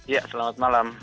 ya selamat malam